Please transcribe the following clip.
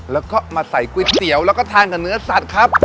แล้วก็มาใส่ก๋วยเตี๋ยวแล้วก็ทานกับเนื้อสัตว์ครับ